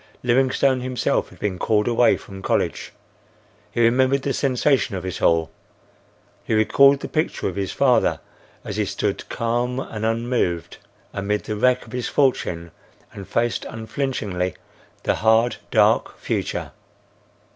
Livingstone himself had been called away from college. He remembered the sensation of it all. He recalled the picture of his father as he stood calm and unmoved amid the wreck of his fortune and faced unflinchingly the hard, dark future.